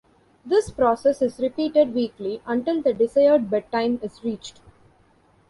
This process is repeated weekly until the desired bedtime is reached.